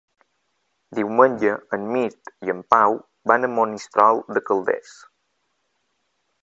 Diumenge en Mirt i en Pau van a Monistrol de Calders.